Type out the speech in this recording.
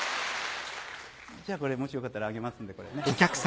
じゃあこれもしよかったらあげますんで。